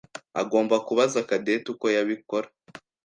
agomba kubaza Cadette uko yabikora.